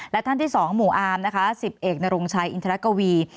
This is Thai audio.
และท่านที่๒หมู่อาร์มนะคะ๑๐เอกนรงชัยอินทรกวี